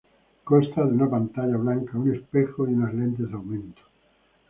Consta de una pantalla blanca, un espejo y unas lentes de aumento.